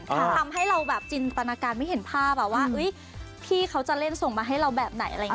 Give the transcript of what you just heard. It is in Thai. ทำให้เราจินตนาการไม่เห็นภาพว่าพี่เขาจะเล่นส่งมาให้เราแบบไหน